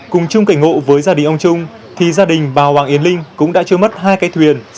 cùng chung cảnh ngộ với gia đình ông trung thì gia đình bà hoàng yến linh cũng đã chưa mất hai cây thuyền